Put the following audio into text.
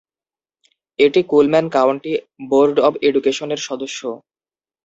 এটি Cullman county board of এডুকেশনের সদস্য।